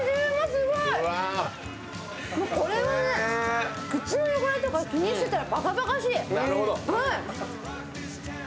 これはね口の汚れとか気にしてたらバカバカしい。